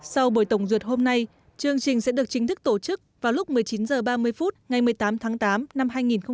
sau buổi tổng duyệt hôm nay chương trình sẽ được chính thức tổ chức vào lúc một mươi chín h ba mươi phút ngày một mươi tám tháng tám năm hai nghìn hai mươi